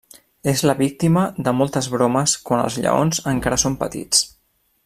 És la víctima de moltes bromes quan els lleons encara són petits.